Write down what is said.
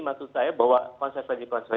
maksud saya bahwa konsep tadi konsep